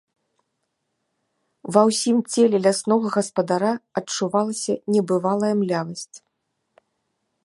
Ва ўсім целе ляснога гаспадара адчувалася небывалая млявасць.